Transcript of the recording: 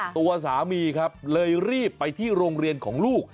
ตัวสามีครับเลยรีบไปที่โรงเรียนของลูก